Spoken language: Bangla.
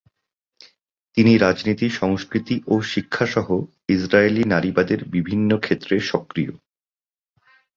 তিনি রাজনীতি, সংস্কৃতি ও শিক্ষা সহ ইসরায়েলি নারীবাদের বিভিন্ন ক্ষেত্রে সক্রিয়।